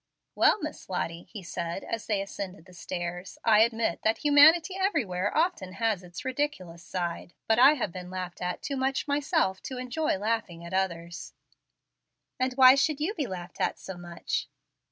"Well, Miss Lottie," he said, as they ascended the stairs, "I admit that humanity everywhere often has its ridiculous side, but I have been laughed at too much myself to enjoy laughing at others." "And why should you be laughed at so much?"